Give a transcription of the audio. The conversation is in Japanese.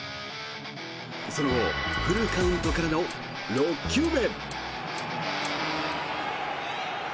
その後フルカウントからの６球目。